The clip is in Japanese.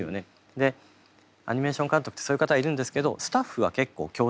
でアニメーション監督ってそういう方がいるんですけどスタッフは結構共通してるんです。